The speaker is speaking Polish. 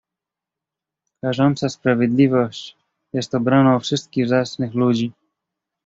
"Karząca sprawiedliwość jest obroną wszystkich zacnych ludzi."